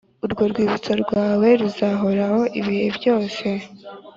Urwibutso rwawe ruzahoraho ibihe byose